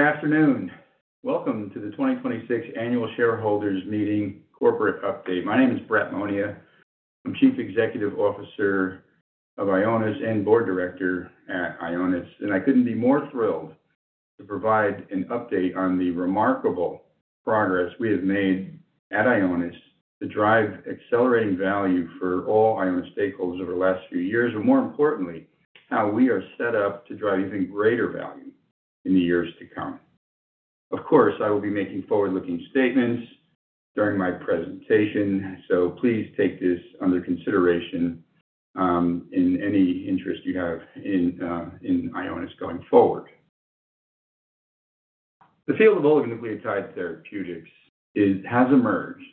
Good afternoon. Welcome to the 2026 Annual Shareholders Meeting Corporate Update. My name is Brett Monia. I'm Chief Executive Officer of Ionis and Board Director at Ionis, and I couldn't be more thrilled to provide an update on the remarkable progress we have made at Ionis to drive accelerating value for all Ionis stakeholders over the last few years, and more importantly, how we are set up to drive even greater value in the years to come. Of course, I will be making forward-looking statements during my presentation, so please take this under consideration in any interest you have in Ionis going forward. The field of oligonucleotide therapeutics has emerged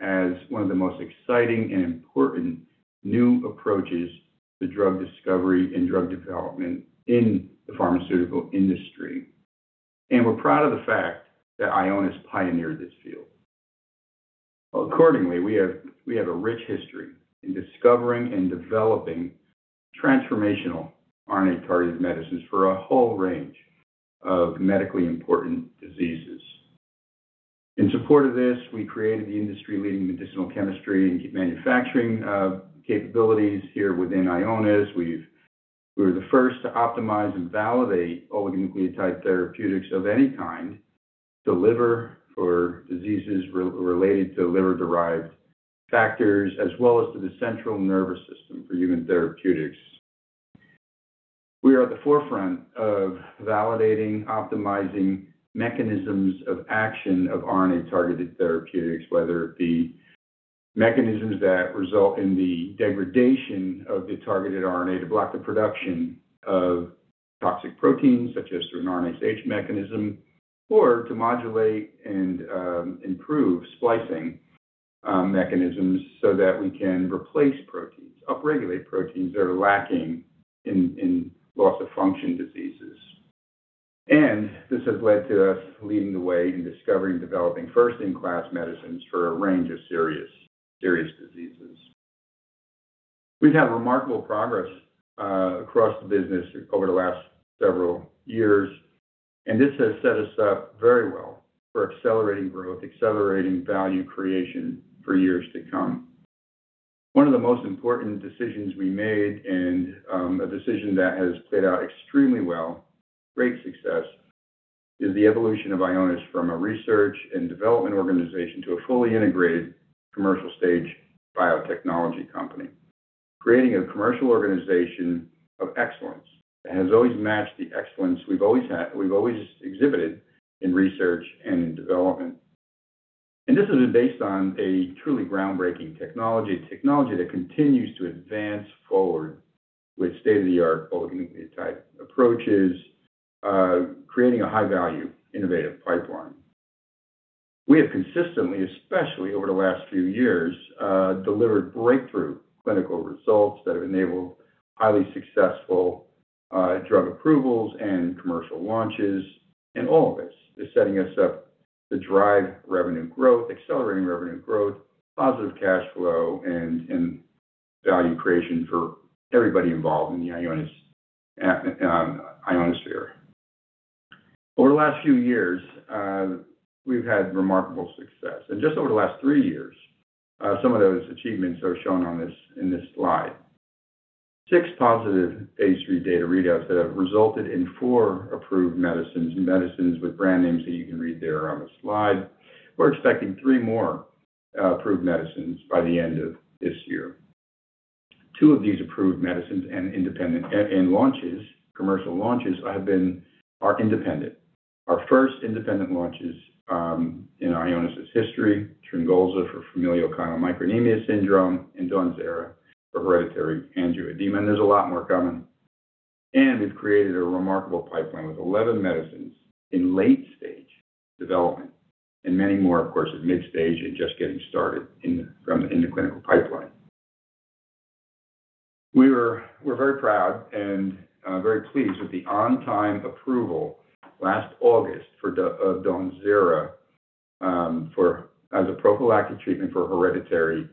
as one of the most exciting and important new approaches to drug discovery and drug development in the pharmaceutical industry, and we're proud of the fact that Ionis pioneered this field. Accordingly, we have a rich history in discovering and developing transformational RNA-targeted medicines for a whole range of medically important diseases. In support of this, we created the industry-leading medicinal chemistry and manufacturing capabilities here within Ionis. We were the first to optimize and validate oligonucleotide therapeutics of any kind to liver or diseases related to liver-derived factors, as well as to the central nervous system for human therapeutics. We are at the forefront of validating optimizing mechanisms of action of RNA-targeted therapeutics, whether the mechanisms that result in the degradation of the targeted RNA to block the production of toxic proteins, such as through an RNase H mechanism, or to modulate and improve splicing mechanisms so that we can replace proteins, upregulate proteins that are lacking in loss-of-function diseases. This has led to us leading the way in discovering and developing first-in-class medicines for a range of serious diseases. We've had remarkable progress across the business over the last several years, this has set us up very well for accelerating growth, accelerating value creation for years to come. One of the most important decisions we made, and a decision that has played out extremely well, great success, is the evolution of Ionis from a research and development organization to a fully integrated commercial-stage biotechnology company. Creating a commercial organization of excellence that has always matched the excellence we've always exhibited in research and development. This is based on a truly groundbreaking technology that continues to advance forward with state-of-the-art oligonucleotide approaches, creating a high-value innovative pipeline. We have consistently, especially over the last few years, delivered breakthrough clinical results that have enabled highly successful drug approvals and commercial launches. All of this is setting us up to drive revenue growth, accelerating revenue growth, positive cash flow, and value creation for everybody involved in the Ionis sphere. Over the last few years, we've had remarkable success. Just over the last three years, some of those achievements are shown in this slide. Six positive phase III data readouts that have resulted in four approved medicines with brand names that you can read there on the slide. We're expecting three more approved medicines by the end of this year. Two of these approved medicines and commercial launches are independent. Our first independent launches in Ionis' history, TRYNGOLZA for familial chylomicronemia syndrome and DAWNZERA for hereditary angioedema. There's a lot more coming. We've created a remarkable pipeline with 11 medicines in late-stage development and many more, of course, at mid-stage and just getting started in the clinical pipeline. We're very proud and very pleased with the on-time approval last August of DAWNZERA as a prophylactic treatment for hereditary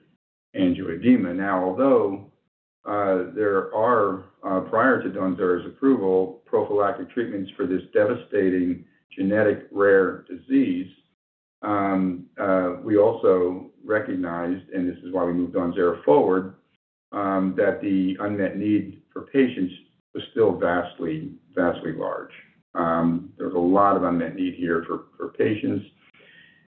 angioedema. Although there are, prior to DAWNZERA's approval, prophylactic treatments for this devastating genetic rare disease, we also recognized, and this is why we moved DAWNZERA forward, that the unmet need for patients was still vastly large. There's a lot of unmet need here for patients,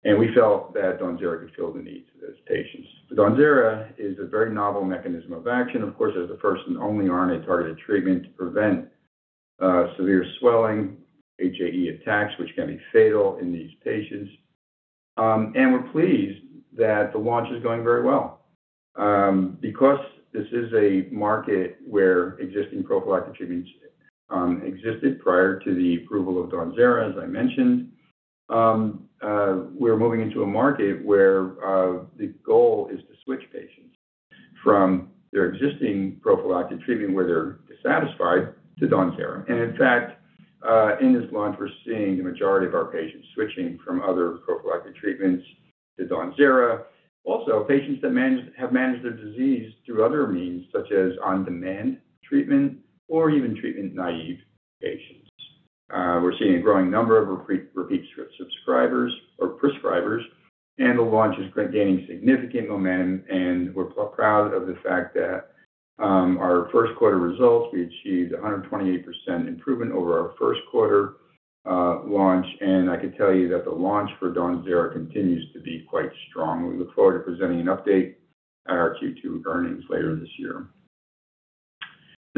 and we felt that DAWNZERA could fill the needs of those patients. DAWNZERA is a very novel mechanism of action, of course, as the first and only RNA-targeted treatment to prevent severe swelling, HAE attacks, which can be fatal in these patients. We're pleased that the launch is going very well. This is a market where existing prophylactic treatments existed prior to the approval of DAWNZERA, as I mentioned, we're moving into a market where the goal is to switch patients from their existing prophylactic treatment where they're dissatisfied to DAWNZERA. In fact, in this launch, we're seeing the majority of our patients switching from other prophylactic treatments to DAWNZERA, also patients that have managed their disease through other means, such as on-demand treatment or even treatment-naive patients. We're seeing a growing number of repeat subscribers or prescribers. The launch is gaining significant momentum. We're proud of the fact that our first quarter results, we achieved 128% improvement over our first quarter launch. I can tell you that the launch for DAWNZERA continues to be quite strong. We look forward to presenting an update at our Q2 earnings later this year.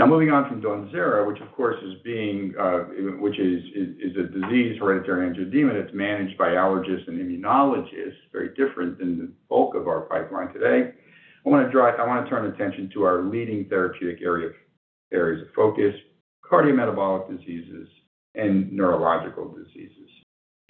Now, moving on from DAWNZERA, which is a disease, hereditary angioedema, that's managed by allergists and immunologists, very different than the bulk of our pipeline today. I want to turn attention to our leading therapeutic areas of focus, cardiometabolic diseases and neurological diseases.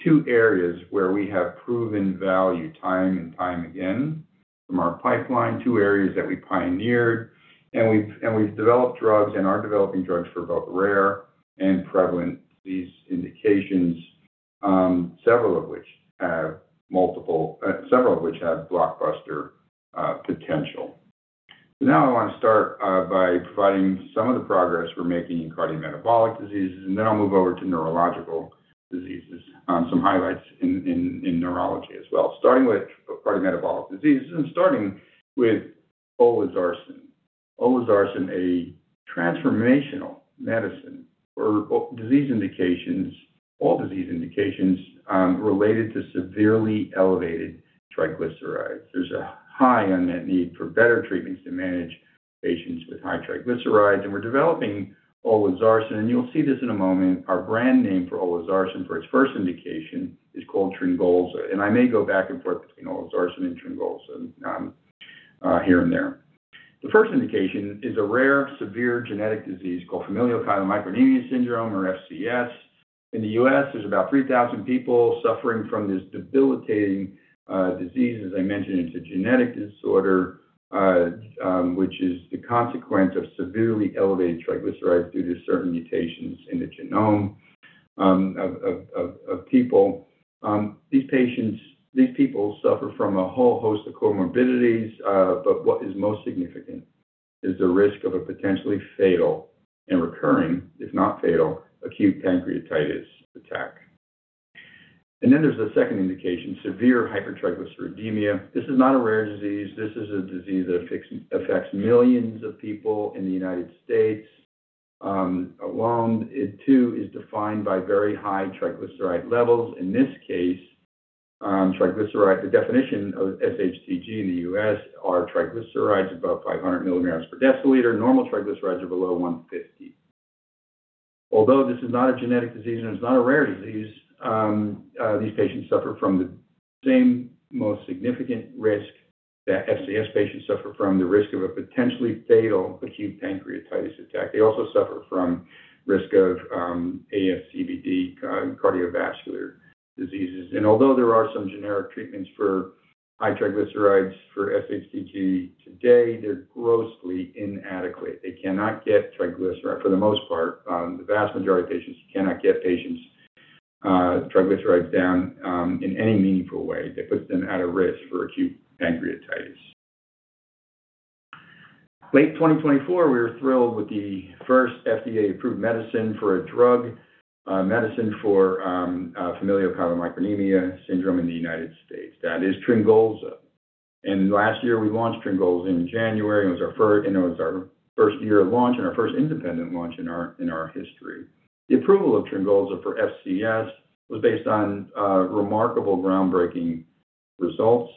Two areas where we have proven value, time and time again from our pipeline. Two areas that we pioneered, and we've developed drugs and are developing drugs for both rare and prevalent disease indications, several of which have blockbuster potential. Now I want to start by providing some of the progress we're making in cardiometabolic diseases, and then I'll move over to neurological diseases. Some highlights in neurology as well. Starting with cardiometabolic diseases and starting with olezarsen. Olezarsen, a transformational medicine for all disease indications related to severely elevated triglycerides. There's a high unmet need for better treatments to manage patients with high triglycerides. We're developing olezarsen. You'll see this in a moment. Our brand name for olezarsen for its first indication is called TRYNGOLZA. I may go back and forth between olezarsen and TRYNGOLZA here and there. The first indication is a rare, severe genetic disease called familial chylomicronemia syndrome, or FCS. In the U.S., there's about 3,000 people suffering from this debilitating disease. As I mentioned, it's a genetic disorder, which is the consequence of severely elevated triglycerides due to certain mutations in the genome of people. These people suffer from a whole host of comorbidities. What is most significant is the risk of a potentially fatal and recurring, if not fatal, acute pancreatitis attack. There's the second indication, severe hypertriglyceridemia. This is not a rare disease. This is a disease that affects millions of people in the U.S. alone. It, too, is defined by very high triglyceride levels. In this case, the definition of SHTG in the U.S. are triglycerides above 500 mg per deciliter. Normal triglycerides are below 150. Although this is not a genetic disease and it's not a rare disease, these patients suffer from the same most significant risk that FCS patients suffer from, the risk of a potentially fatal acute pancreatitis attack. They also suffer from risk of ASCVD, cardiovascular diseases. Although there are some generic treatments for high triglycerides for SHTG today, they're grossly inadequate. For the most part, the vast majority of patients cannot get patients' triglycerides down in any meaningful way that puts them at a risk for acute pancreatitis. Late 2024, we were thrilled with the first FDA-approved medicine for familial chylomicronemia syndrome in the U.S. That is TRYNGOLZA. Last year we launched TRYNGOLZA in January, and it was our first year of launch and our first independent launch in our history. The approval of TRYNGOLZA for FCS was based on remarkable groundbreaking results,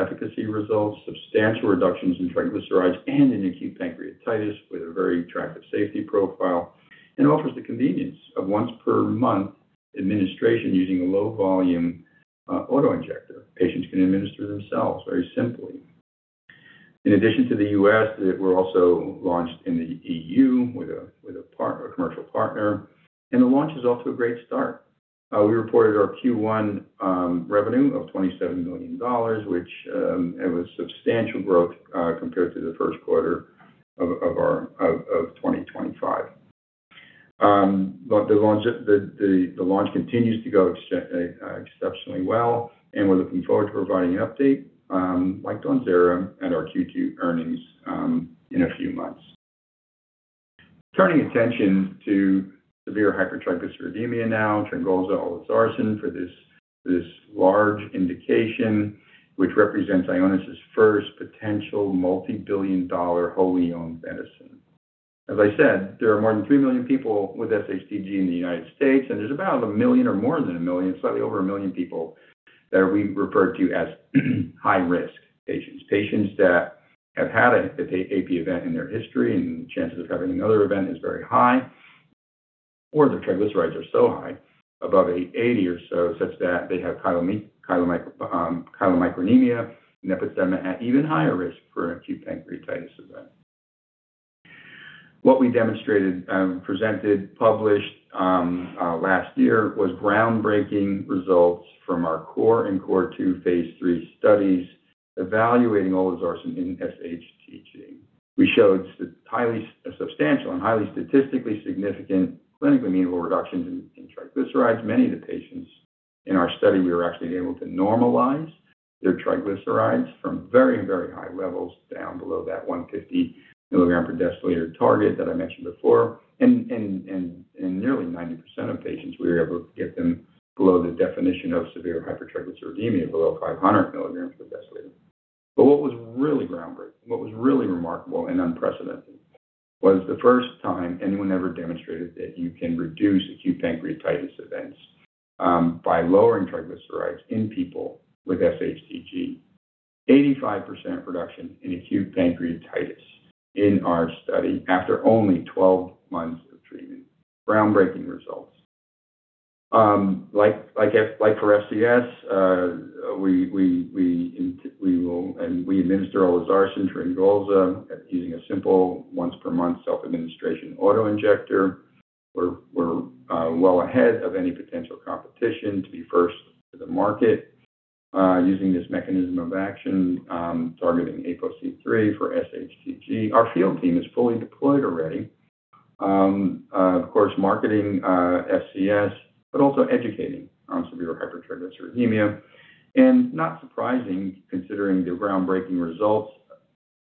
efficacy results, substantial reductions in triglycerides, and in acute pancreatitis with a very attractive safety profile. Offers the convenience of once per month administration using a low volume auto-injector. Patients can administer themselves very simply. In addition to the U.S., we're also launched in the EU with a commercial partner. The launch is off to a great start. We reported our Q1 revenue of $27 million, which was substantial growth compared to the first quarter of 2025. The launch continues to go exceptionally well, and we're looking forward to providing an update, like DAWNZERA at our Q2 earnings in a few months. Turning attention to severe hypertriglyceridemia now. TRYNGOLZA, olezarsen for this large indication, which represents Ionis' first potential multibillion-dollar wholly owned medicine. As I said, there are more than 3 million people with SHTG in the U.S., and there's about 1 million or more than 1 million, slightly over 1 million people that we refer to as high-risk patients. Patients that have had an AP event in their history and chances of having another event is very high, or their triglycerides are so high above 80 or so, such that they have chylomicronemia and xanthomas at even higher risk for acute pancreatitis event. What we demonstrated, presented, published last year was groundbreaking results from our CORE and CORE2 phase III studies evaluating olezarsen in SHTG. We showed substantial and highly statistically significant clinical meaningful reductions in triglycerides. Many of the patients in our study, we were actually able to normalize their triglycerides from very, very high levels down below that 150 mg per deciliter target that I mentioned before. In nearly 90% of patients, we were able to get them below the definition of severe hypertriglyceridemia, below 500 mg per deciliter. What was really groundbreaking, what was really remarkable and unprecedented, was the first time anyone ever demonstrated that you can reduce acute pancreatitis events by lowering triglycerides in people with sHTG. 85% reduction in acute pancreatitis in our study after only 12 months of treatment. Groundbreaking results. Like for FCS, we administer olezarsen, TRYNGOLZA, using a simple once per month self-administration auto-injector. We're well ahead of any potential competition to be first to the market using this mechanism of action targeting APOC3 for SHTG. Our field team is fully deployed already. Of course, marketing FCS, but also educating on severe hypertriglyceridemia. Not surprising considering the groundbreaking results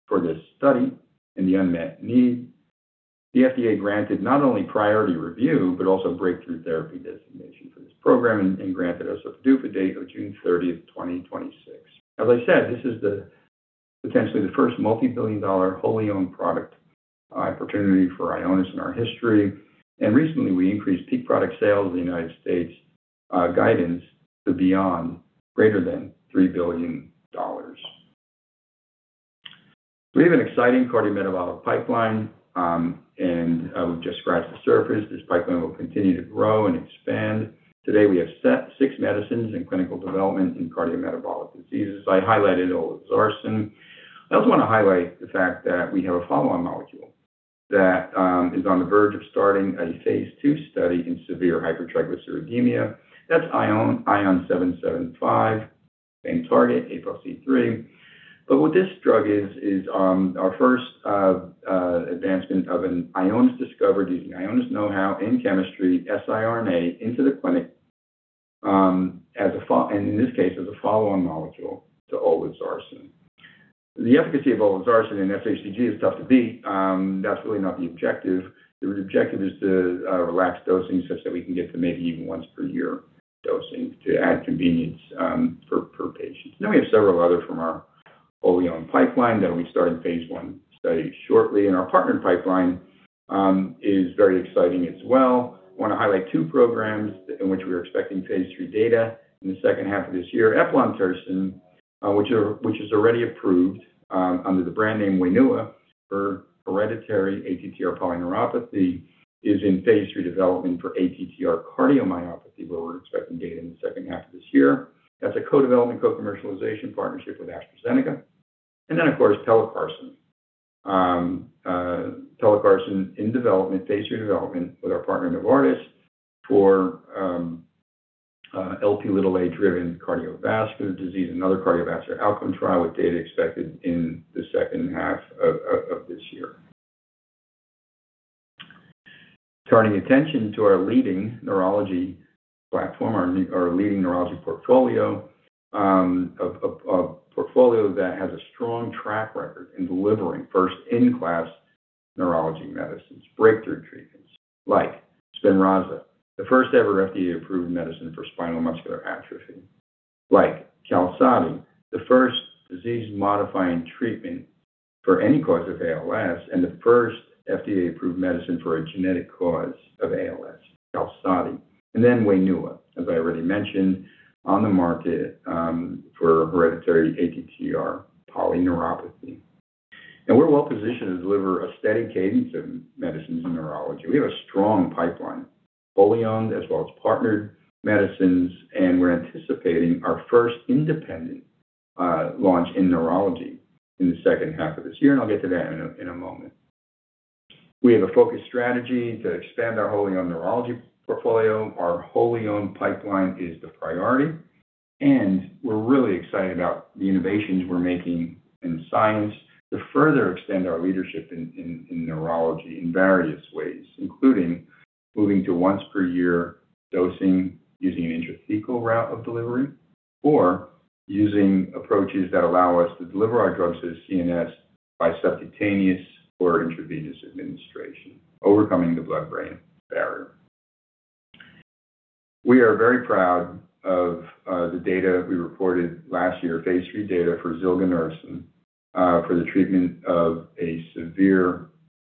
for this study and the unmet need. The FDA granted not only priority review, but also breakthrough therapy designation for this program and granted us a PDUFA date of June 30th, 2026. As I said, this is potentially the first multi-billion dollar wholly owned product opportunity for Ionis in our history. Recently, we increased peak product sales in the U.S. guidance to beyond greater than $3 billion. We have an exciting cardiometabolic pipeline, and we've just scratched the surface. This pipeline will continue to grow and expand. Today, we have six medicines in clinical development in cardiometabolic diseases. I highlighted olezarsen. I also want to highlight the fact that we have a follow-on molecule that is on the verge of starting a phase II study in severe hypertriglyceridemia. That's ION775, same target, ApoC-III. What this drug is our first advancement of an Ionis discovery using Ionis know-how in chemistry, siRNA, into the clinic, and in this case, as a follow-on molecule to olezarsen. The efficacy of olezarsen in sHTG is tough to beat. That's really not the objective. The objective is to relax dosing such that we can get to maybe even once per year dosing to add convenience for patients. We have several other from our wholly-owned pipeline that we start in phase I studies shortly, and our partner pipeline is very exciting as well. I want to highlight two programs in which we're expecting phase III data in the second half of this year. eplontersen which is already approved under the brand name WAINUA for hereditary ATTR polyneuropathy, is in phase III development for ATTR cardiomyopathy, where we're expecting data in the second half of this year. That's a co-development, co-commercialization partnership with AstraZeneca. Of course, pelacarsen. pelacarsen in phase III development with our partner, Novartis, for Lp(a)-driven cardiovascular disease, another cardiovascular outcome trial with data expected in the second half of this year. Turning attention to our leading neurology platform, our leading neurology portfolio. A portfolio that has a strong track record in delivering first-in-class neurology medicines, breakthrough treatments like olezarsen, the first-ever FDA-approved medicine for spinal muscular atrophy. Like QALSODY, the first disease-modifying treatment for any cause of ALS, and the first FDA-approved medicine for a genetic cause of ALS, QALSODY. WAINUA, as I already mentioned, on the market for hereditary ATTR polyneuropathy. We're well positioned to deliver a steady cadence of medicines in neurology. We have a strong pipeline, wholly owned as well as partnered medicines, and we're anticipating our first independent launch in neurology in the second half of this year, and I'll get to that in a moment. We have a focused strategy to expand our wholly owned neurology portfolio. Our wholly owned pipeline is the priority, and we're really excited about the innovations we're making in science to further extend our leadership in neurology in various ways, including moving to once per year dosing using an intrathecal route of delivery, or using approaches that allow us to deliver our drugs to the CNS by subcutaneous or intravenous administration, overcoming the blood-brain barrier. We are very proud of the data we reported last year, phase III data for zilganersen, for the treatment of a severe,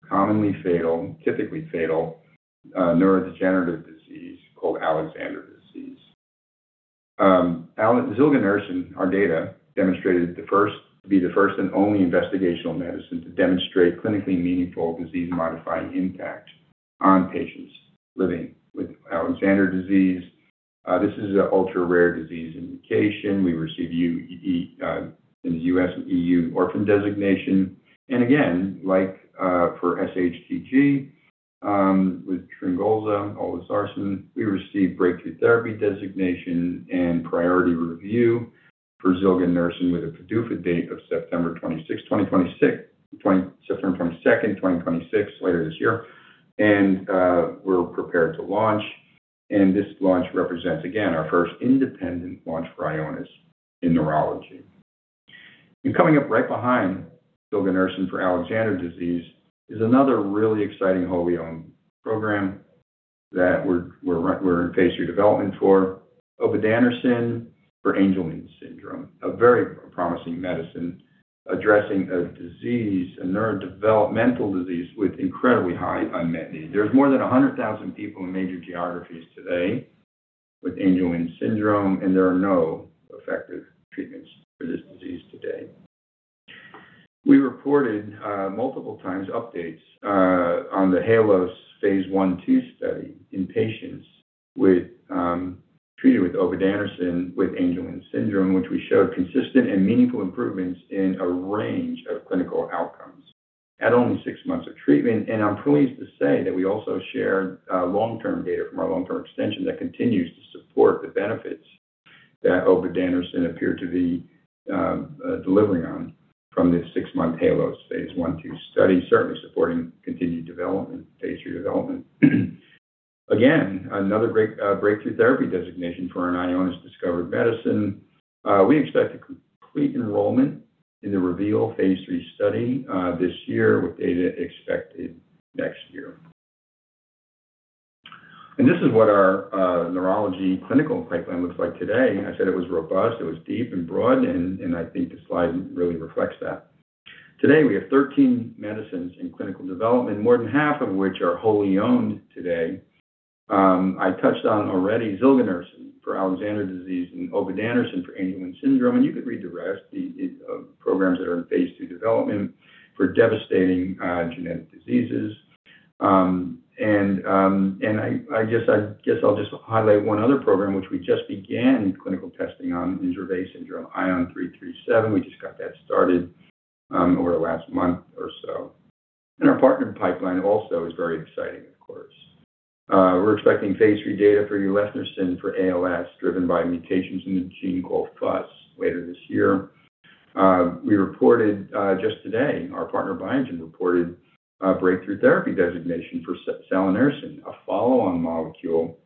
commonly fatal, typically fatal, neurodegenerative disease called Alexander disease. zilganersen in our data demonstrated to be the first and only investigational medicine to demonstrate clinically meaningful disease-modifying impact on patients living with Alexander disease. This is an ultra-rare disease indication. We received a U.S. and EU orphan designation. Again, like for SHTG with TRYNGOLZA, olezarsen, we received breakthrough therapy designation and priority review for zilganersen with a PDUFA date of September 22nd, 2026, later this year. We're prepared to launch. This launch represents, again, our first independent launch for Ionis in neurology. Coming up right behind ZOLGENSMA for Alexander disease is another really exciting wholly-owned program that we're in phase III development for, obudanersen for Angelman syndrome, a very promising medicine addressing a neurodevelopmental disease with incredibly high unmet need. There's more than 100,000 people in major geographies today with Angelman syndrome, and there are no effective treatments for this disease today. We reported multiple times updates on the HALOS phase I/II study in patients treated with obudanersen with Angelman syndrome, which we showed consistent and meaningful improvements in a range of clinical outcomes at only six months of treatment. I'm pleased to say that we also shared long-term data from our long-term extension that continues to support the benefits that obudanersen appeared to be delivering on from the six-month HALOS phase I/II study, certainly supporting continued phase III development. Again, another great breakthrough therapy designation for an Ionis-discovered medicine. We expect to complete enrollment in the REVEAL phase III study this year, with data expected next year. This is what our neurology clinical pipeline looks like today. I said it was robust, it was deep and broad, and I think the slide really reflects that. Today, we have 13 medicines in clinical development, more than half of which are wholly owned today. I touched on already ZOLGENSMA for Alexander disease and obudanersen for Angelman syndrome, and you could read the rest. The programs that are in phase II development for devastating genetic diseases. I guess I'll just highlight one other program, which we just began clinical testing on, Dravet syndrome, ION337. We just got that started over the last month or so. Our partnered pipeline also is very exciting, of course. We're expecting phase III data for ulefnersen for ALS, driven by mutations in the gene FUS later this year. We reported just today, our partner Biogen reported a breakthrough therapy designation for salanersen, a follow-on molecule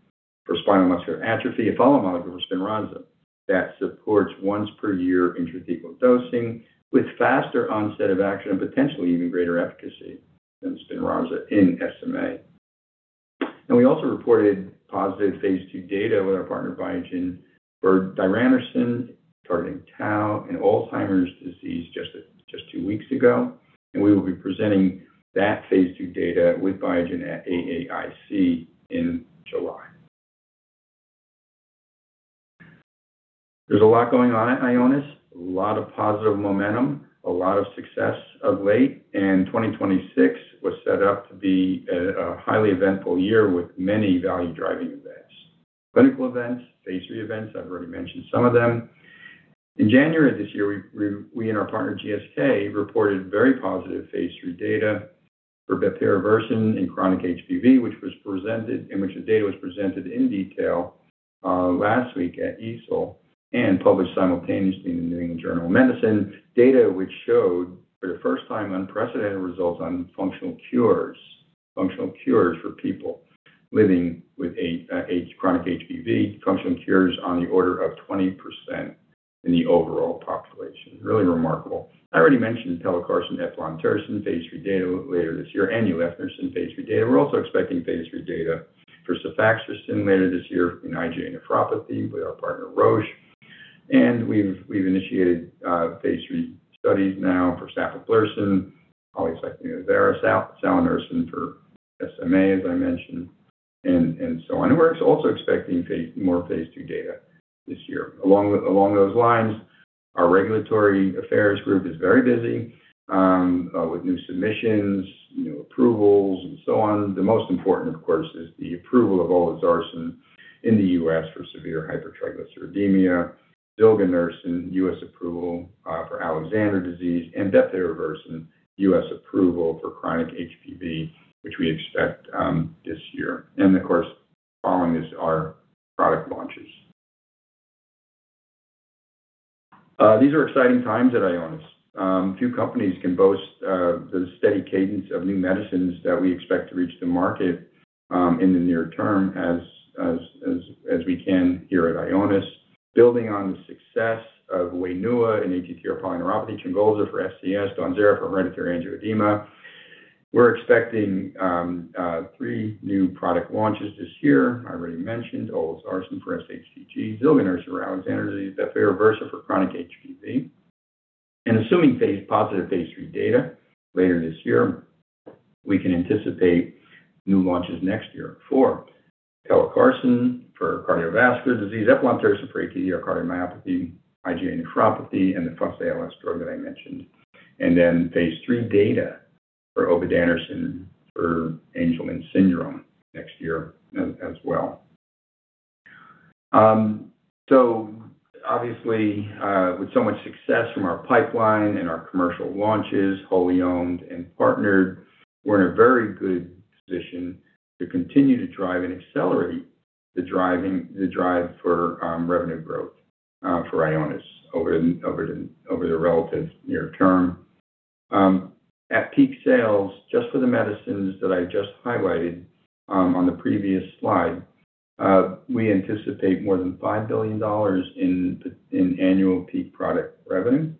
for spinal muscular atrophy, a follow molecule for Spinraza that supports once-per-year intrathecal dosing with faster onset of action and potentially even greater efficacy than Spinraza in SMA. We also reported positive phase II data with our partner Biogen for diranersen targeting tau in Alzheimer's disease just two weeks ago. We will be presenting that phase II data with Biogen at AAIC in July. There's a lot going on at Ionis, a lot of positive momentum, a lot of success of late. 2026 was set up to be a highly eventful year with many value-driving events. Clinical events, phase III events, I've already mentioned some of them. In January of this year, we and our partner GSK reported very positive phase III data for bepirovirsen in chronic HBV, in which the data was presented in detail last week at EASL and published simultaneously in The New England Journal of Medicine. Data which showed for the first time unprecedented results on functional cures for people living with chronic HBV. Functional cures on the order of 20% in the overall population. Really remarkable. I already mentioned pelacarsen, eplontersen phase III data later this year, and ulefnersen phase III data. We're also expecting phase III data for atrasentan later this year in IgA nephropathy with our partner Roche. We've initiated phase III studies now for sapablursen, polyisoprenylphosphate synthase inhibitor, salanersen for SMA, as I mentioned, and so on. We're also expecting more phase II data this year. Along those lines, our regulatory affairs group is very busy with new submissions, approvals, and so on. The most important, of course, is the approval of olezarsen in the U.S. for severe hypertriglyceridemia, ZOLGENSMA U.S. approval for Alexander disease, bepirovirsen U.S. approval for chronic HBV, which we expect this year. Of course, following this, our product launches. These are exciting times at Ionis. Few companies can boast the steady cadence of new medicines that we expect to reach the market in the near term as we can here at Ionis. Building on the success of WAINUA in ATTR polyneuropathy, TRYNGOLZA for FCS, DAWNZERA for hereditary angioedema. We're expecting three new product launches this year. I already mentioned olezarsen for SHTG, ZOLGENSMA for Alexander disease, bepirovirsen for chronic HBV. Assuming positive Phase III data later this year, we can anticipate new launches next year for pelacarsen for cardiovascular disease, eplontersen for ATTR cardiomyopathy, IgA nephropathy, and the first ALS drug that I mentioned. Then Phase III data for obudanersen for Angelman syndrome next year as well. Obviously, with so much success from our pipeline and our commercial launches, wholly owned and partnered, we're in a very good position to continue to drive and accelerate the drive for revenue growth for Ionis over the relative near term. At peak sales, just for the medicines that I just highlighted on the previous slide, we anticipate more than $5 billion in annual peak product revenue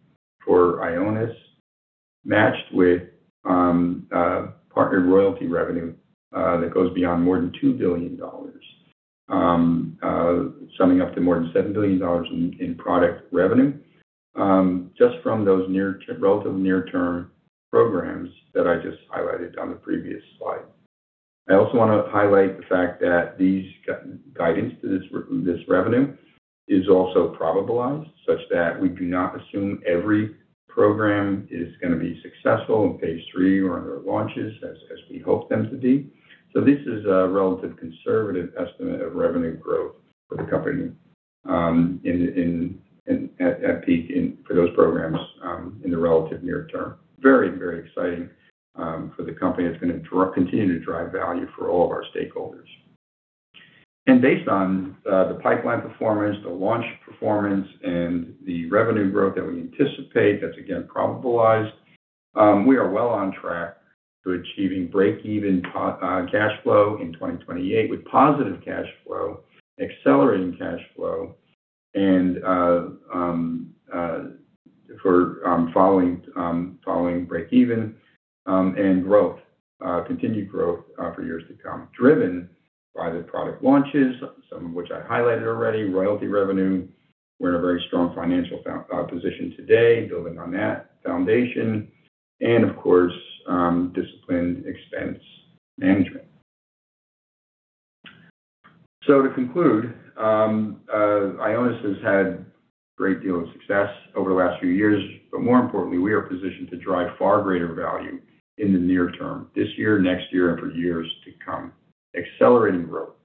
for Ionis, matched with partnered royalty revenue that goes beyond more than $2 billion, summing up to more than $7 billion in product revenue just from those relative near-term programs that I just highlighted on the previous slide. I also want to highlight the fact that this revenue guidance is also probabilized, such that we do not assume every program is going to be successful in phase III or on their launches as we hope them to be. This is a relative conservative estimate of revenue growth for the company at peak for those programs in the relative near term. Very exciting for the company. It's going to continue to drive value for all of our stakeholders. Based on the pipeline performance, the launch performance, and the revenue growth that we anticipate, that's again probabilized, we are well on track to achieving break-even cash flow in 2028 with positive cash flow, accelerating cash flow following break even, and continued growth for years to come, driven by the product launches, some of which I highlighted already, royalty revenue. We're in a very strong financial position today, building on that foundation, and of course, disciplined expense management. To conclude, Ionis has had a great deal of success over the last few years. More importantly, we are positioned to drive far greater value in the near term, this year, next year, and for years to come, accelerating growth.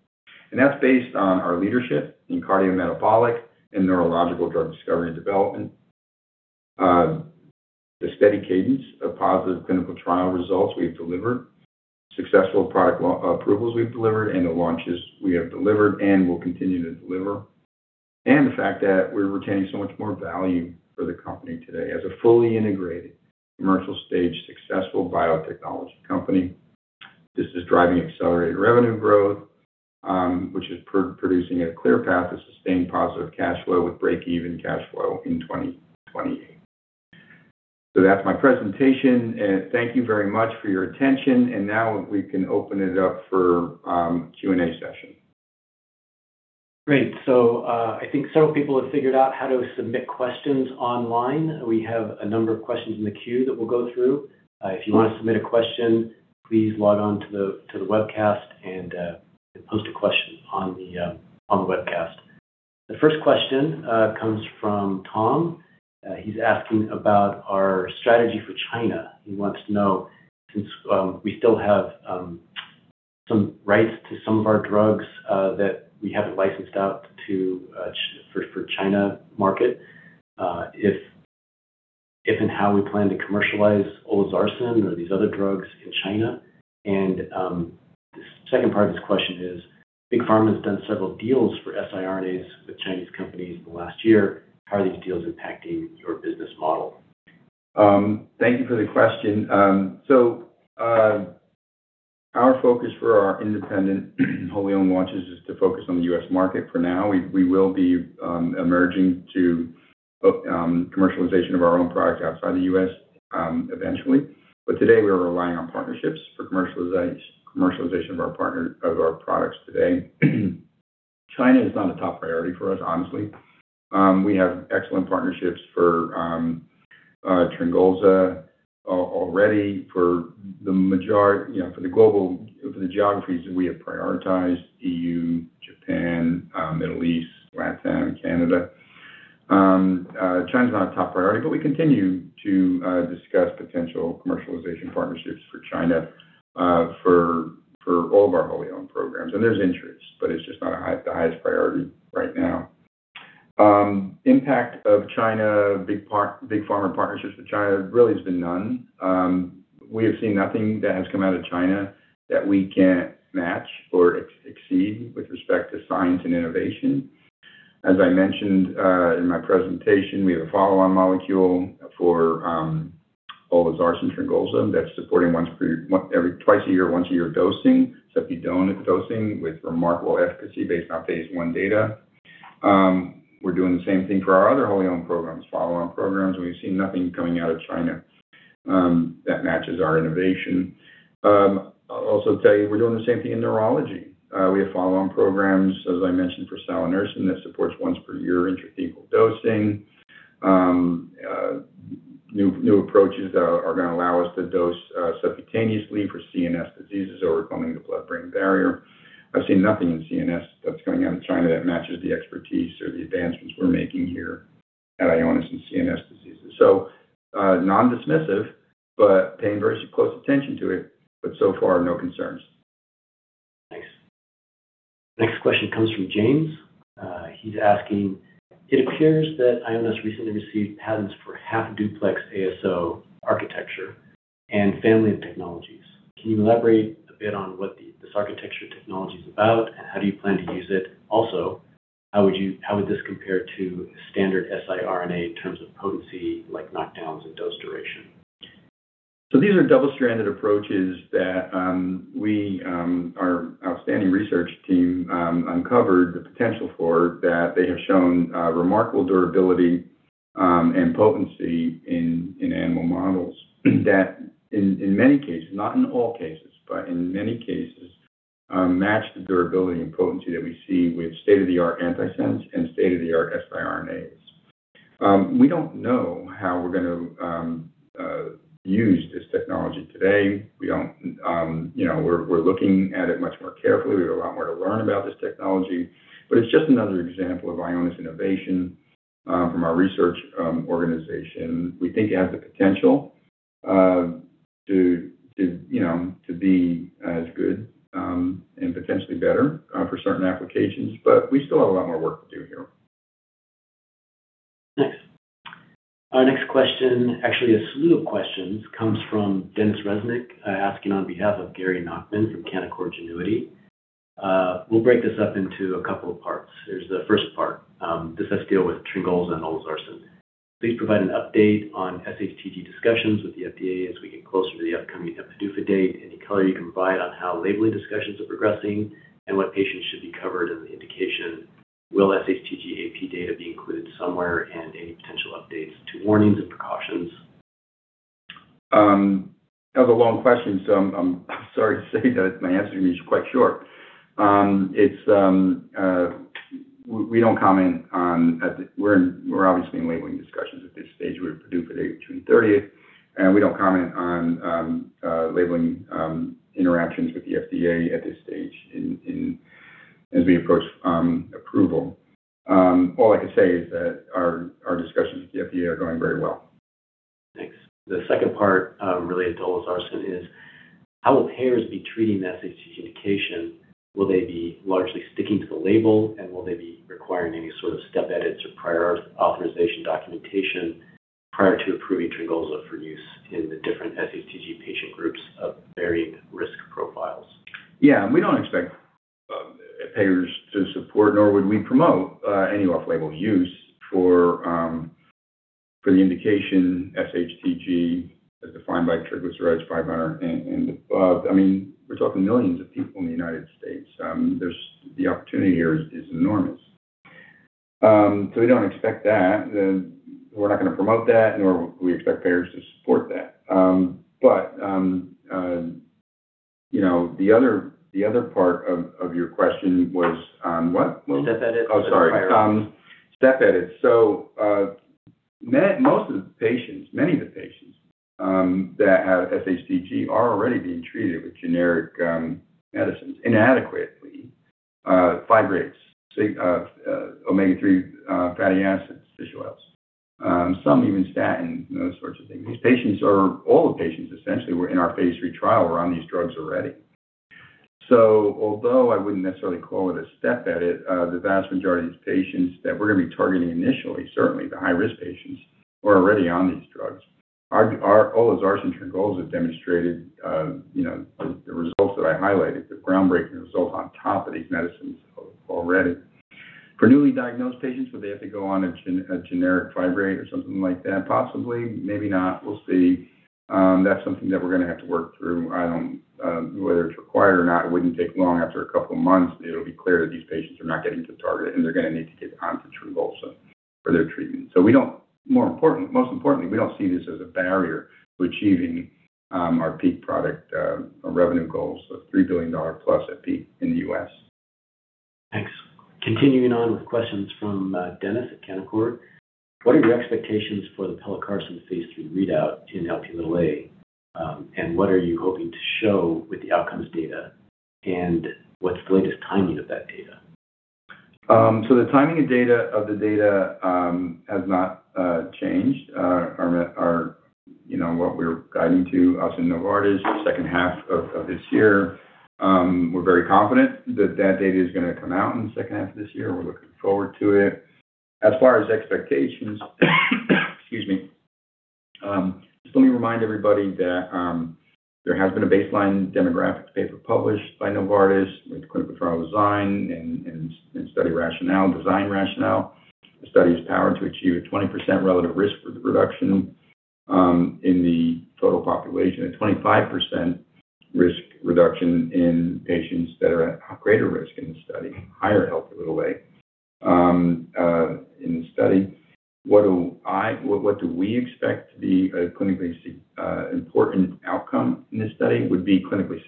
That's based on our leadership in cardiometabolic and neurological drug discovery and development, the steady cadence of positive clinical trial results we've delivered, successful product approvals we've delivered, and the launches we have delivered and will continue to deliver, and the fact that we're retaining so much more value for the company today as a fully integrated commercial-stage successful biotechnology company. This is driving accelerated revenue growth, which is producing a clear path to sustained positive cash flow with break-even cash flow in 2028. That's my presentation, and thank you very much for your attention. Now we can open it up for Q&A session. Great. I think several people have figured out how to submit questions online. We have a number of questions in the queue that we'll go through. If you want to submit a question, please log on to the webcast and post a question on the webcast. The first question comes from Tom. He's asking about our strategy for China. He wants to know, since we still have some rights to some of our drugs that we haven't licensed out for China market, if and how we plan to commercialize olezarsen or these other drugs in China. The second part of this question is, Big Pharma has done several deals for siRNAs with Chinese companies in the last year. How are these deals impacting your business model? Thank you for the question. Our focus for our independent wholly owned launches is to focus on the U.S. market for now. We will be emerging to commercialization of our own product outside the U.S. eventually. Today we are relying on partnerships for commercialization of our products today. China is not a top priority for us, honestly. We have excellent partnerships for TRYNGOLZA already for the geographies that we have prioritized, EU, Japan, Middle East, Latin, and Canada. China's not a top priority, but we continue to discuss potential commercialization partnerships for China for all of our wholly owned programs. There's interest, but it's just not the highest priority right now. Impact of China, big pharma partnerships with China really has been none. We have seen nothing that has come out of China that we can't match or exceed with respect to science and innovation. As I mentioned in my presentation, we have a follow-on molecule for olezarsen, TRYNGOLZA, that's supporting twice a year, once a year dosing, subcutaneous dosing with remarkable efficacy based on phase I data. We're doing the same thing for our other wholly owned programs, follow-on programs. We've seen nothing coming out of China that matches our innovation. I'll also tell you we're doing the same thing in neurology. We have follow-on programs, as I mentioned, for salanersen that supports once per year intrathecal dosing. New approaches that are going to allow us to dose subcutaneously for CNS diseases, overcoming the blood-brain barrier. I've seen nothing in CNS that's going on in China that matches the expertise or the advancements we're making here at Ionis in CNS diseases. Non-dismissive, but paying very close attention to it. So far, no concerns. Thanks. Next question comes from James. He's asking: It appears that Ionis recently received patents for half-duplex ASO architecture and family of technologies. Can you elaborate a bit on what this architecture technology is about? How do you plan to use it? How would this compare to standard siRNA in terms of potency, like knockdowns and dose duration? These are double-stranded approaches that our outstanding research team uncovered the potential for, that they have shown remarkable durability and potency in animal models. That in many cases, not in all cases, but in many cases, match the durability and potency that we see with state-of-the-art antisense and state-of-the-art siRNAs. We don't know how we're going to use this technology today. We're looking at it much more carefully. We have a lot more to learn about this technology, but it's just another example of Ionis innovation from our research organization. We think it has the potential to be as good and potentially better for certain applications, but we still have a lot more work to do here. Thanks. Our next question, actually, a slew of questions, comes from Denis Reznik, asking on behalf of Gary Nachman from Canaccord Genuity. We'll break this up into a couple of parts. Here's the first part. This has to deal with TRYNGOLZA and olezarsen. Please provide an update on SHTG discussions with the FDA as we get closer to the upcoming PDUFA date. Any color you can provide on how labeling discussions are progressing and what patients should be covered in the indication? Will SHTG AP data be included somewhere, and any potential updates to warnings and precautions? That was a long question, so I'm sorry to say that my answer to you is quite short. We're obviously in labeling discussions at this stage. We have a PDUFA date of June 30th, and we don't comment on labeling interactions with the FDA at this stage as we approach approval. All I can say is that our discussions with the FDA are going very well. Thanks. The second part related to olezarsen is how will payers be treating that SHTG indication? Will they be largely sticking to the label, will they be requiring any sort of step edits or prior authorization documentation prior to approving TRYNGOLZA for use in the different SHTG patient groups of varied risk profiles? Yeah. We don't expect payers to support, nor would we promote any off-label use for the indication SHTG as defined by triglycerides 500 and above. We're talking millions of people in the U.S. The opportunity here is enormous. We don't expect that. We're not going to promote that, nor will we expect payers to support that. The other part of your question was what? Step edit or prior-. Oh, sorry. Step edit. Most of the patients, many of the patients that have SHTG are already being treated with generic medicines inadequately. Fibrates, omega-3 fatty acids, fish oils. Some even statins and those sorts of things. All the patients essentially in our Phase III trial were on these drugs already. Although I wouldn't necessarily call it a step edit, the vast majority of these patients that we're going to be targeting initially, certainly the high-risk patients, were already on these drugs. olezarsen and TRYNGOLZA have demonstrated the results that I highlighted, the groundbreaking results on top of these medicines already. For newly diagnosed patients, would they have to go on a generic fibrate or something like that? Possibly, maybe not. We'll see. That's something that we're going to have to work through. Whether it's required or not, it wouldn't take long. After a couple of months, it'll be clear that these patients are not getting to target, and they're going to need to get onto TRYNGOLZA for their treatment. Most importantly, we don't see this as a barrier to achieving our peak product revenue goals of $3 billion plus at peak in the U.S. Thanks. Continuing on with questions from Denis at Canaccord Genuity. What are your expectations for the pelacarsen phase III readout in Lp(a)? What are you hoping to show with the outcomes data, and what's the latest timing of that data? The timing of the data has not changed. What we're guiding to Ionis and Novartis is the second half of this year. We're very confident that that data is going to come out in the second half of this year. We're looking forward to it. As far as expectations, excuse me. Just let me remind everybody that there has been a baseline demographic paper published by Novartis with the clinical trial design and study rationale, design rationale. The study is powered to achieve a 20% relative risk reduction in the total population. A 25% risk reduction in patients that are at greater risk in the study, higher Lp(a) in the study. What do we expect to be a clinically important outcome in this study would be clinically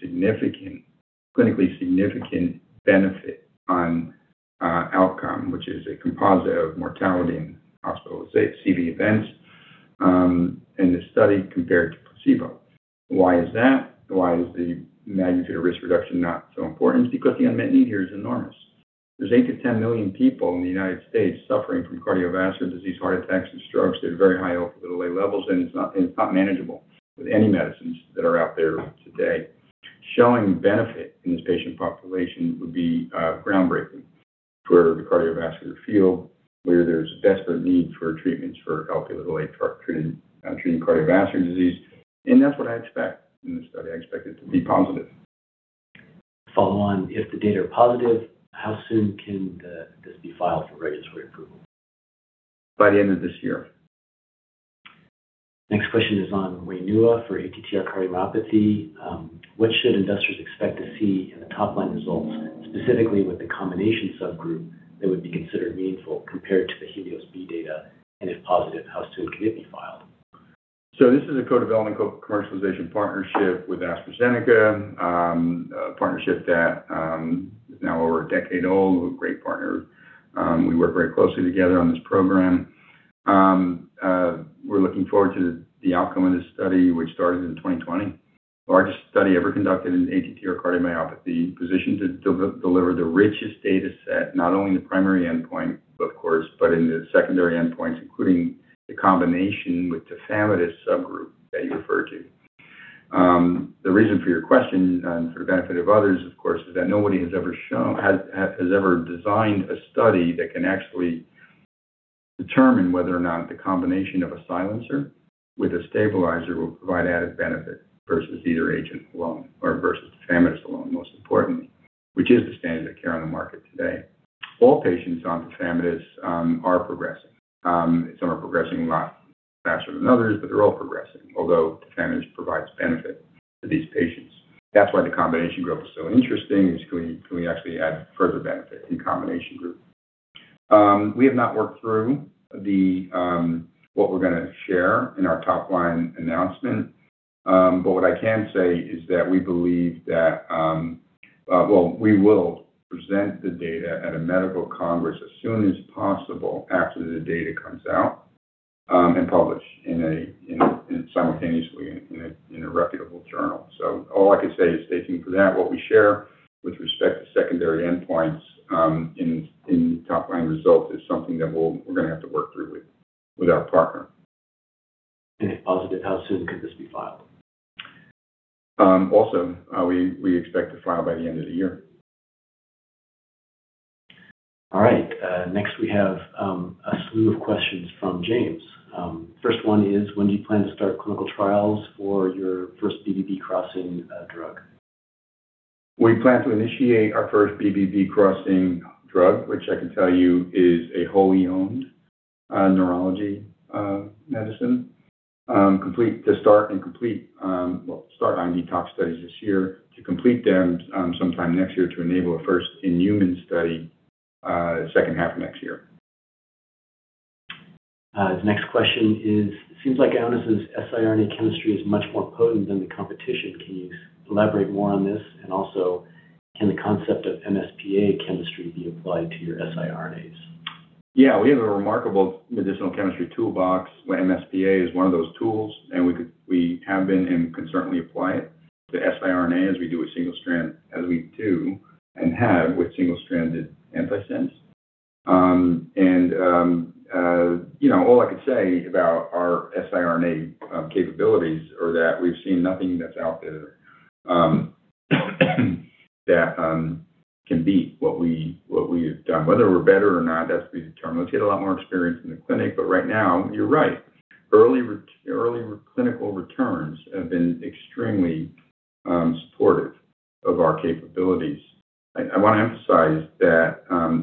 significant benefit on outcome, which is a composite of mortality and hospital CV events in the study compared to placebo. Why is that? Why is the magnitude of risk reduction not so important? The unmet need here is enormous. There's 8 to 10 million people in the U.S. suffering from cardiovascular disease, heart attacks, and strokes at very high Lp(a) levels, it's not manageable with any medicines that are out there today. Showing benefit in this patient population would be groundbreaking for the cardiovascular field, where there's a desperate need for treatments for Lp(a) for treating cardiovascular disease, that's what I expect in this study. I expect it to be positive. Follow on, if the data are positive, how soon can this be filed for registry approval? By the end of this year. Next question is on Rayneuva for ATTR cardiomyopathy. What should investors expect to see in the top-line results, specifically with the combination subgroup that would be considered meaningful compared to the HELIOS-B data, and if positive, how soon could it be filed? This is a co-development, co-commercialization partnership with AstraZeneca, a partnership that is now over a decade old with a great partner. We work very closely together on this program. We're looking forward to the outcome of this study, which started in 2020. Largest study ever conducted in ATTR cardiomyopathy, positioned to deliver the richest data set, not only in the primary endpoint, of course, but in the secondary endpoints, including the combination with tafamidis subgroup that you referred to. The reason for your question, and for the benefit of others, of course, is that nobody has ever designed a study that can actually determine whether or not the combination of a silencer with a stabilizer will provide added benefit versus either agent alone, or versus tafamidis alone, most importantly, which is the standard of care on the market today. All patients on tafamidis are progressing. Some are progressing a lot faster than others, they're all progressing, although tafamidis provides benefit to these patients. That's why the combination group is so interesting, is can we actually add further benefit in combination group. We have not worked through what we're going to share in our top-line announcement. What I can say is that we will present the data at a medical congress as soon as possible after the data comes out, and publish simultaneously in a reputable journal. All I can say is stay tuned for that. What we share with respect to secondary endpoints in top-line results is something that we're going to have to work through with our partner. If positive, how soon could this be filed? We expect to file by the end of the year. All right. Next we have a slew of questions from James. First one is, when do you plan to start clinical trials for your first BBB-crossing drug? We plan to initiate our first BBB-crossing drug, which I can tell you is a wholly owned neurology medicine, start on detox studies this year to complete them sometime next year to enable a first-in-human study, second half of next year. Next question is, seems like Ionis' siRNA chemistry is much more potent than the competition. Can you elaborate more on this? Also, can the concept of MsPA chemistry be applied to your siRNAs? Yeah. We have a remarkable medicinal chemistry toolbox, where MsPA is one of those tools, and we have been and can certainly apply it to siRNA as we do with single-strand, as we do and have with single-stranded antisense. All I can say about our siRNA capabilities are that we've seen nothing that's out there that can beat what we have done. Whether we're better or not, that's to be determined. We'll get a lot more experience in the clinic. Right now, you're right. Early clinical returns have been extremely supportive of our capabilities. I want to emphasize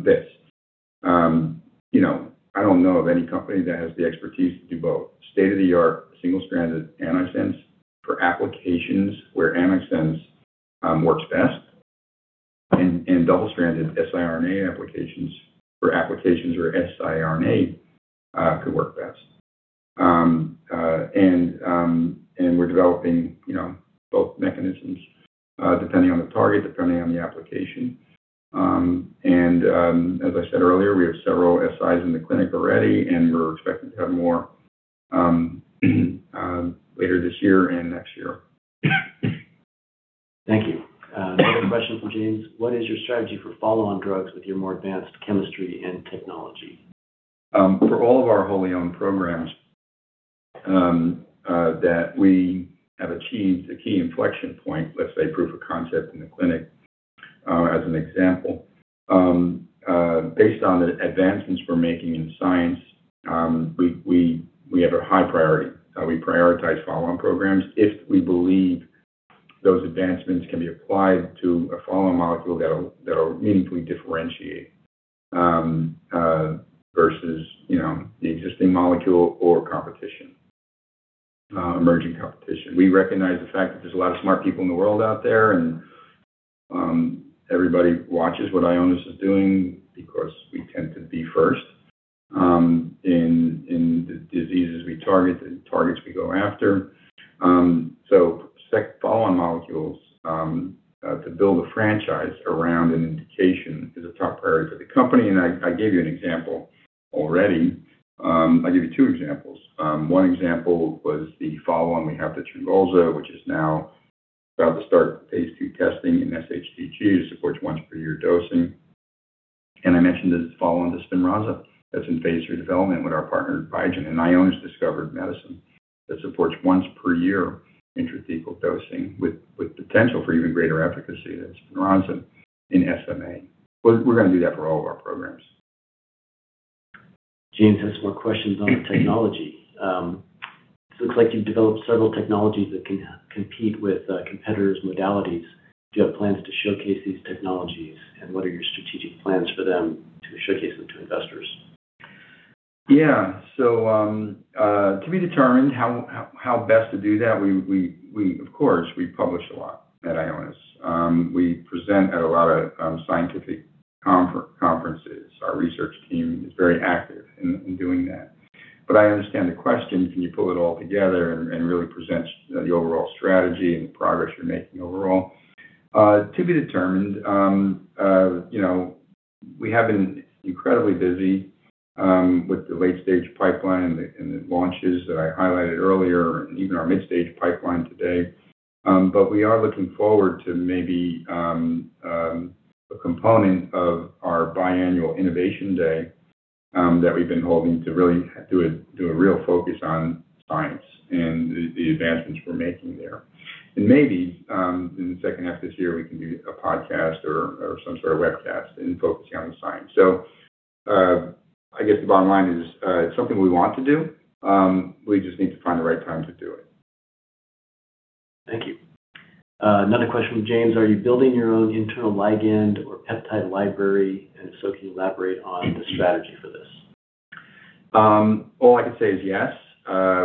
this. I don't know of any company that has the expertise to do both state-of-the-art single-stranded antisense for applications where antisense works best and double-stranded siRNA applications for applications where siRNA could work best. We're developing both mechanisms, depending on the target, depending on the application. As I said earlier, we have several SIs in the clinic already, and we're expecting to have more later this year and next year. Thank you. Another question from James. What is your strategy for follow-on drugs with your more advanced chemistry and technology? For all of our wholly owned programs that we have achieved a key inflection point, let's say proof of concept in the clinic, as an example. Based on the advancements we're making in science, we have a high priority. We prioritize follow-on programs if we believe those advancements can be applied to a follow-on molecule that'll meaningfully differentiate versus the existing molecule or competition, emerging competition. We recognize the fact that there's a lot of smart people in the world out there, and everybody watches what Ionis is doing because we tend to be first in the diseases we target, the targets we go after. Follow-on molecules to build a franchise around an indication is a top priority for the company, and I gave you an example already. I gave you two examples. One example was the follow-on we have to Spinraza, which is now about to start phase II testing in sHTG to support once per year dosing. I mentioned the follow-on to Spinraza that's in phase III development with our partner Biogen, an Ionis discovered medicine that supports once per year intrathecal dosing with potential for even greater efficacy than Spinraza in SMA. We're going to do that for all of our programs. James has more questions on the technology. It looks like you've developed several technologies that can compete with competitors' modalities. Do you have plans to showcase these technologies, and what are your strategic plans for them to showcase them to investors? Yeah. To be determined how best to do that. Of course, we publish a lot at Ionis. We present at a lot of scientific conferences. Our research team is very active in doing that. I understand the question, can you pull it all together and really present the overall strategy and the progress you're making overall? To be determined. We have been incredibly busy with the late-stage pipeline and the launches that I highlighted earlier, and even our mid-stage pipeline today. We are looking forward to maybe, a component of our biannual innovation day that we've been holding to really do a real focus on science and the advancements we're making there. Maybe, in the second half of this year, we can do a podcast or some sort of webcast in focusing on the science. I guess the bottom line is it's something we want to do. We just need to find the right time to do it. Thank you. Another question from James. Are you building your own internal ligand or peptide library? If so, can you elaborate on the strategy for this? All I can say is yes.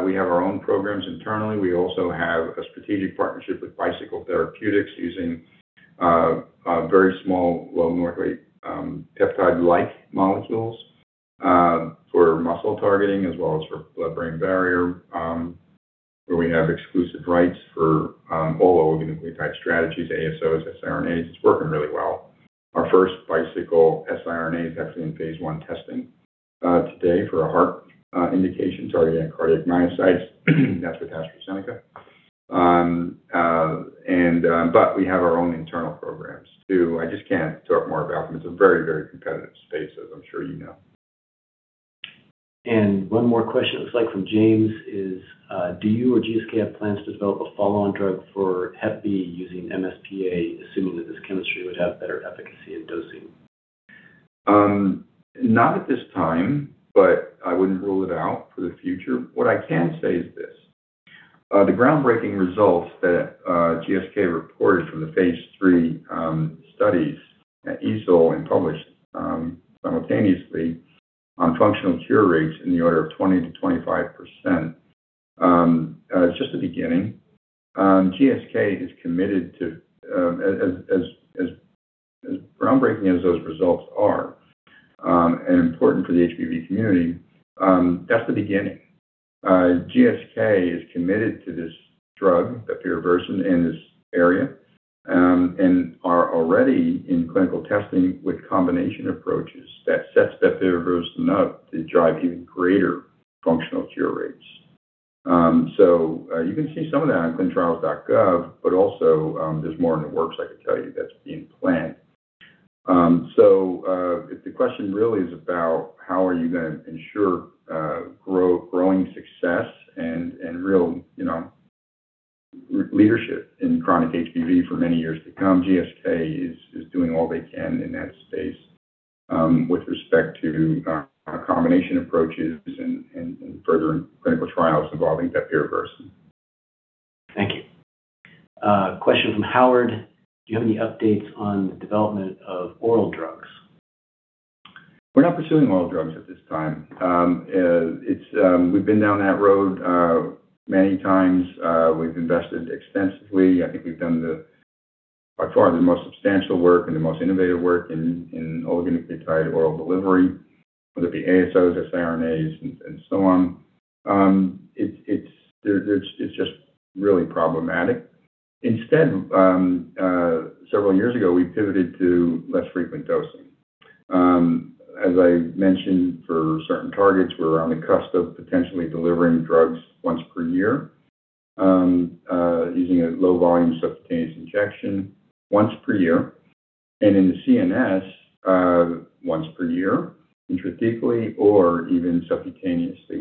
We have our own programs internally. We also have a strategic partnership with Bicycle Therapeutics using very small, low molecular weight peptide-like molecules for muscle targeting as well as for blood-brain barrier, where we have exclusive rights for all oligonucleotide strategies, ASOs, siRNAs. It's working really well. Our first bicycle siRNA is actually in phase I testing today for a heart indication targeting cardiac myocytes. That's with AstraZeneca. We have our own internal programs, too. I just can't talk more about them. It's a very competitive space, as I'm sure you know. One more question it looks like from James is, do you or GSK have plans to develop a follow-on drug for hep B using MsPA, assuming that this chemistry would have better efficacy in dosing? Not at this time, but I wouldn't rule it out for the future. What I can say is this. The groundbreaking results that GSK reported from the phase III studies at EASL and published simultaneously on functional cure rates in the order of 20%-25%, it's just the beginning. As groundbreaking as those results are, and important for the HBV community, that's the beginning. GSK is committed to this drug, bepirovirsen, in this area, and are already in clinical testing with combination approaches that sets bepirovirsen up to drive even greater functional cure rates. You can see some of that on clinicaltrials.gov, but also, there's more in the works, I can tell you, that's being planned. If the question really is about how are you going to ensure growing success and real leadership in chronic HBV for many years to come, GSK is doing all they can in that space with respect to combination approaches and furthering clinical trials involving bepirovirsen. Thank you. A question from Howard. Do you have any updates on the development of oral drugs? We're not pursuing oral drugs at this time. We've been down that road many times. We've invested extensively. I think we've done by far the most substantial work and the most innovative work in oligonucleotide oral delivery, whether it be ASOs or siRNAs and so on. It's just really problematic. Several years ago, we pivoted to less frequent dosing. As I mentioned, for certain targets, we're on the cusp of potentially delivering drugs once per year, using a low volume subcutaneous injection once per year. In the CNS, once per year, intrathecally or even subcutaneously.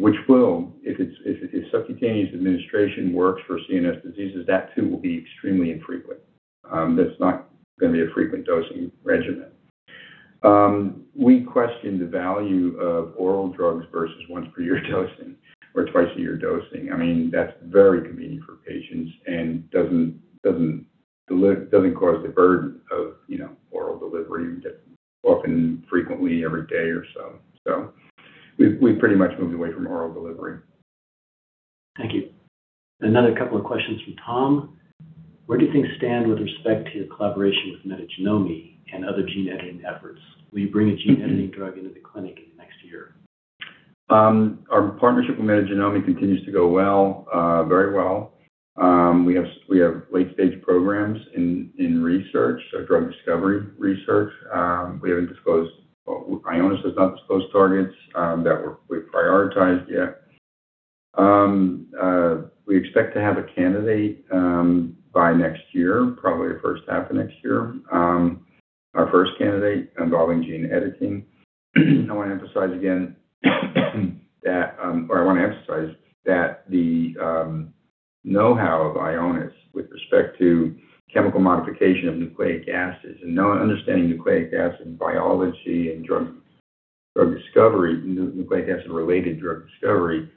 If subcutaneous administration works for CNS diseases, that too will be extremely infrequent. That's not going to be a frequent dosing regimen. We question the value of oral drugs versus once per year dosing or twice a year dosing. That's very convenient for patients and doesn't cause the burden of oral delivery that often, frequently every day or so. We've pretty much moved away from oral delivery. Thank you. Another couple of questions from Tom. Where do things stand with respect to your collaboration with Metagenomi and other gene editing efforts? Will you bring a gene editing drug into the clinic? Our partnership with Metagenomi continues to go very well. We have late-stage programs in research, so drug discovery research. Ionis has not disclosed targets that we've prioritized yet. We expect to have a candidate by next year, probably the first half of next year, our first candidate involving gene editing. I want to emphasize that the know-how of Ionis with respect to chemical modification of nucleic acids and understanding nucleic acid biology and nucleic acid-related drug discovery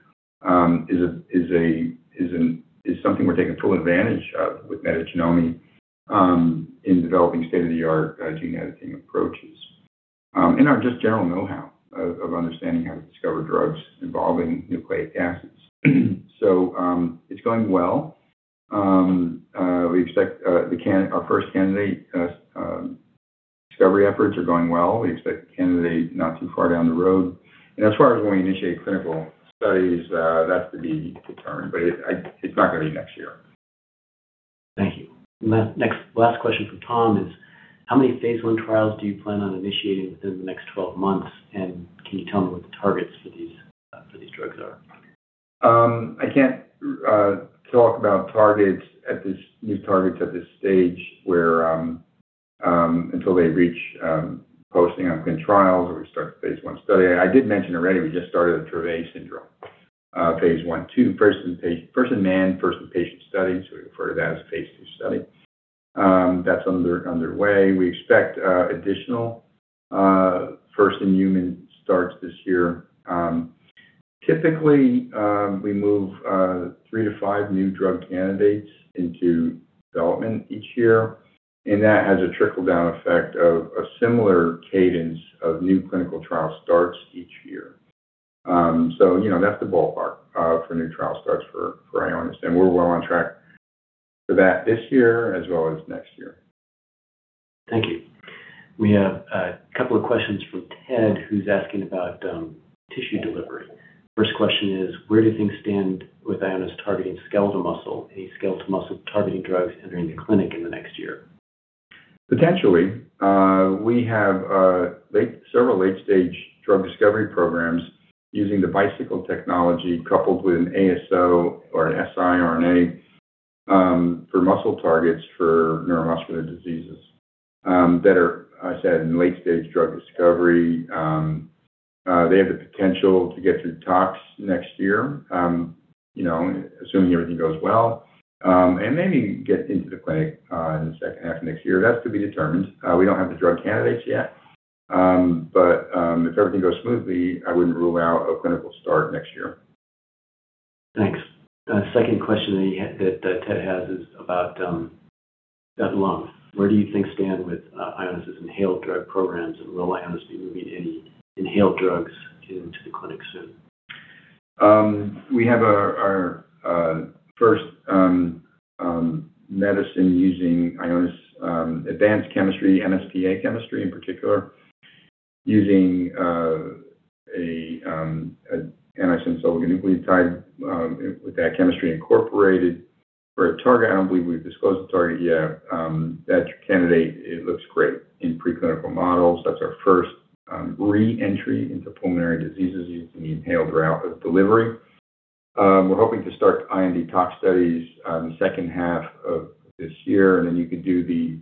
is something we're taking full advantage of with Metagenomi in developing state-of-the-art gene editing approaches, our just general know-how of understanding how to discover drugs involving nucleic acids. It's going well. Our first candidate discovery efforts are going well. We expect the candidate not too far down the road. As far as when we initiate clinical studies, that's to be determined, it's not going to be next year. Thank you. Last question from Tom is, how many phase I trials do you plan on initiating within the next 12 months, and can you tell me what the targets for these drugs are? I can't talk about new targets at this stage until they reach posting on clinical trials where we start the phase I study. I did mention already, we just started a Dravet syndrome phase I/II, first-in-man, first-in-patient study. We refer to that as a phase II study. That's underway. We expect additional first-in-human starts this year. Typically, we move three to five new drug candidates into development each year. That has a trickle-down effect of a similar cadence of new clinical trial starts each year. That's the ballpark for new trial starts for Ionis, and we're well on track for that this year as well as next year. Thank you. We have a couple of questions from Ted, who's asking about tissue delivery. First question is, where do things stand with Ionis targeting skeletal muscle, any skeletal muscle targeting drugs entering the clinic in the next year? Potentially. We have several late-stage drug discovery programs using the Bicycle technology coupled with an ASO or an siRNA for muscle targets for neuromuscular diseases that are, as I said, in late-stage drug discovery. They have the potential to get through tox next year, assuming everything goes well, and maybe get into the clinic in the second half of next year. That's to be determined. We don't have the drug candidates yet. If everything goes smoothly, I wouldn't rule out a clinical start next year. Thanks. Second question that Ted has is about lung. Where do you think stand with Ionis' inhaled drug programs, and will Ionis be moving any inhaled drugs into the clinic soon? We have our first medicine using Ionis advanced chemistry, MsPA chemistry in particular, using an antisense oligonucleotide with that chemistry incorporated for a target. I don't believe we've disclosed the target yet. That candidate, it looks great in pre-clinical models. That's our first re-entry into pulmonary diseases using the inhaled route of delivery. We're hoping to start IND tox studies second half of this year, and then you could do the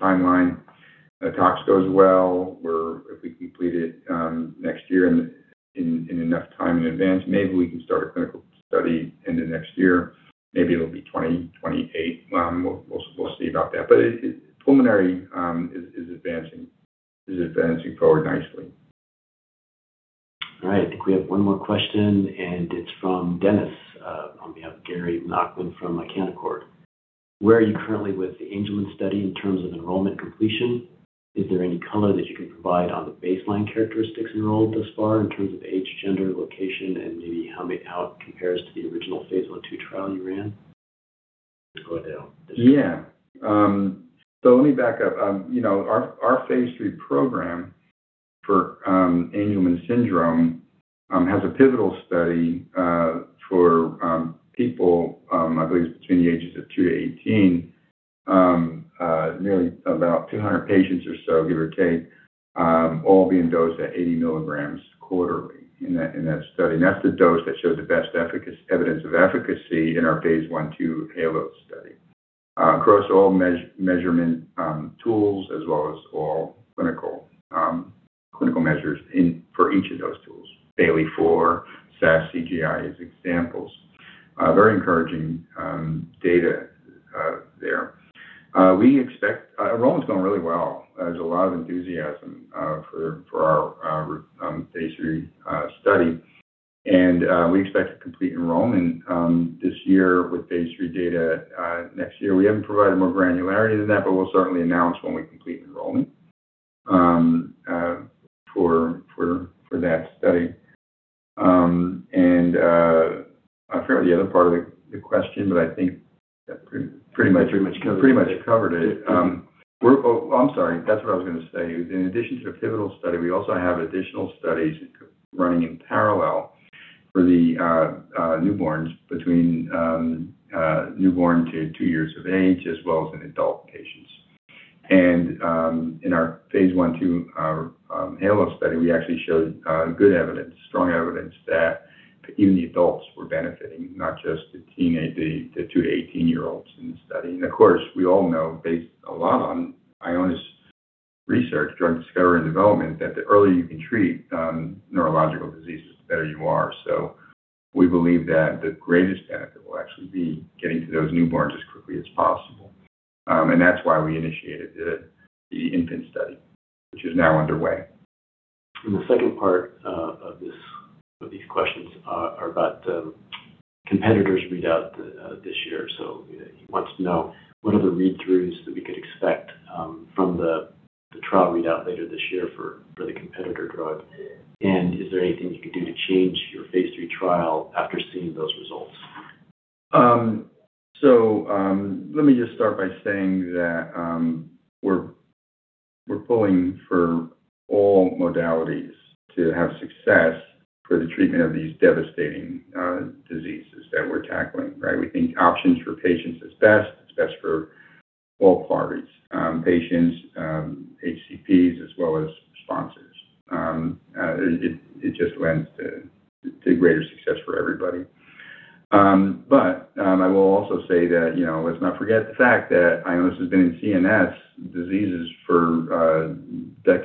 timeline. If the tox goes well, if we complete it next year in enough time in advance, maybe we can start a clinical study into next year. Maybe it'll be 2028. We'll see about that. Pulmonary is advancing forward nicely. All right. I think we have one more question, and it's from Denis on behalf of Gary Nachman from Canaccord. Where are you currently with the Angelman study in terms of enrollment completion? Is there any color that you can provide on the baseline characteristics enrolled thus far in terms of age, gender, location, and maybe how it compares to the original phase I/II trial you ran? Go ahead. Let me back up. Our phase III program for Angelman syndrome has a pivotal study for people, I believe it's between the ages of 2 to 18, nearly about 200 patients or so, give or take, all being dosed at 80 milligrams quarterly in that study. That's the dose that showed the best evidence of efficacy in our phase I/II HALOS study. Across all measurement tools as well as all clinical measures for each of those tools, Bayley-4, SAS, CGI as examples. Very encouraging data there. Enrollment's going really well. There's a lot of enthusiasm for our phase III study, we expect to complete enrollment this year with phase III data next year. We haven't provided more granularity than that, but we'll certainly announce when we complete enrollment for that study. I forget the other part of the question, but I think that pretty much covered it. Oh, I'm sorry. That's what I was going to say. In addition to the pivotal study, we also have additional studies running in parallel for the newborns between newborn to 2 years of age as well as in adult patients. In our phase I/II HALOS study, we actually showed good evidence, strong evidence, that even the adults were benefiting, not just the 2 to 18-year-olds in the study. Of course, we all know based a lot on Ionis research, drug discovery, and development, that the earlier you can treat neurological diseases, the better you are. We believe that the greatest benefit will actually be getting to those newborns as quickly as possible. That's why we initiated the infant study, which is now underway. The second part of these questions are about the competitor's readout this year. He wants to know, what are the read-throughs that we could expect from the trial readout later this year for the competitor drug, and is there anything you could do to change your phase III trial after seeing those results? Let me just start by saying that we're pulling for all modalities to have success for the treatment of these devastating diseases that we're tackling. We think options for patients is best. It's best for all parties, patients, HCPs, as well as sponsors. It just lends to greater success for everybody. I will also say that let's not forget the fact that Ionis has been in CNS diseases for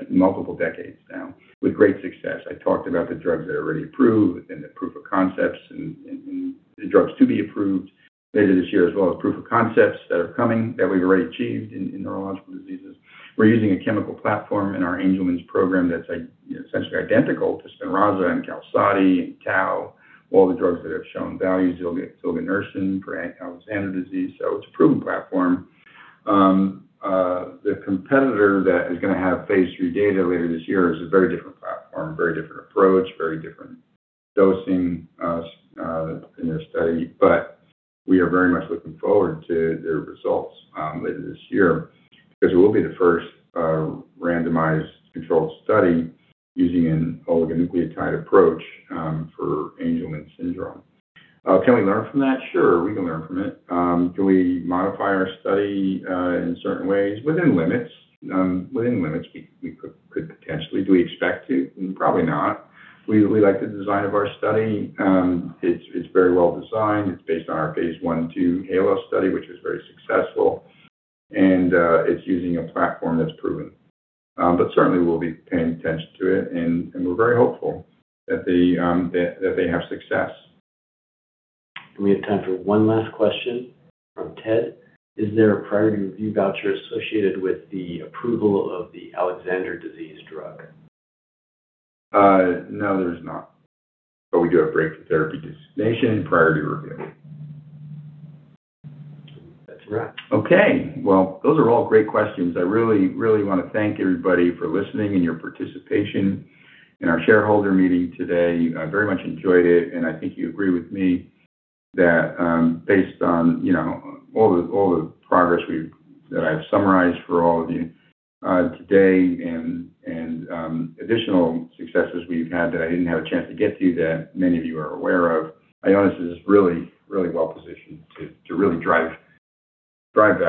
multiple decades now with great success. I talked about the drugs that are already approved and the proof of concepts and the drugs to be approved later this year, as well as proof of concepts that are coming that we've already achieved in neurological diseases. We're using a chemical platform in our Angelman program that's essentially identical to Spinraza and QALSODY and tau, all the drugs that have shown value, ZOLGENSMA for Alexander disease. It's a proven platform. The competitor that is going to have phase III data later this year is a very different platform, very different approach, very different dosing in their study. We are very much looking forward to their results later this year because it will be the first randomized controlled study using an oligonucleotide approach for Angelman syndrome. Can we learn from that? Sure, we can learn from it. Can we modify our study in certain ways? Within limits we could potentially. Do we expect to? Probably not. We like the design of our study. It's very well-designed. It's based on our phase I/II HALOs study, which was very successful, and it's using a platform that's proven. Certainly, we'll be paying attention to it, and we're very hopeful that they have success. We have time for one last question from Ted. Is there a priority review voucher associated with the approval of the Alexander disease drug? No, there's not. We do have breakthrough therapy designation and priority review. That's a wrap. Okay. Well, those are all great questions. I really want to thank everybody for listening and your participation in our shareholder meeting today. I very much enjoyed it, and I think you agree with me that based on all the progress that I've summarized for all of you today and additional successes we've had that I didn't have a chance to get to that many of you are aware of, Ionis is really well-positioned to really drive tremendous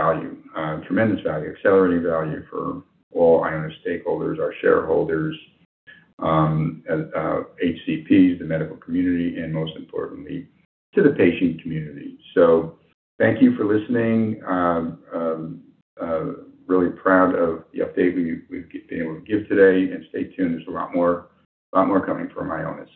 value, accelerating value for all Ionis stakeholders, our shareholders, HCPs, the medical community, and most importantly, to the patient community. Thank you for listening. Really proud of the update we've been able to give today, and stay tuned. There's a lot more coming from Ionis.